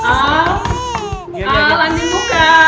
al al lanjut muka